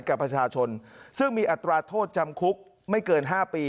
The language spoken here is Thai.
กับประชาชนซึ่งมีอัตราโทษจำคุกไม่เกิน๕ปี